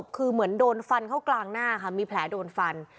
คือเหมือนโดนฟันเข้ากลางหน้าค่ะมีแผลโดนฟัน